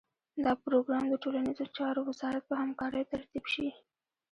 دا پروګرام د ټولنیزو چارو وزارت په همکارۍ ترتیب شي.